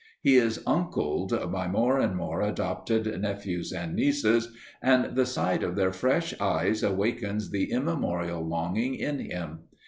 He is "uncled" by more and more adopted nephews and nieces, and the sight of their fresh eyes awakens the immemorial longing in him.